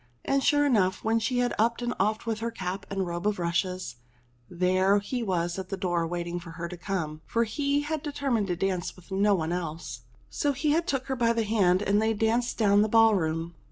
And sure enough, when she had upped and offed with her cap and robe of rushes, there he was at the door waiting for her to come ; for he had determined to dance with no one else. So he took her by the hand, and they danced down the ball room.